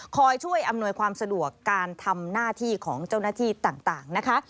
คอยช่วยอำนวยความสะดวกการทำหน้าที่ของเจ้าหน้าที่ต่างนะคะ